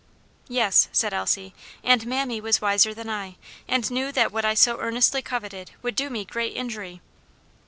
"Yes," said Elsie; "and mammy was wiser than I, and knew that what I so earnestly coveted would do me great injury."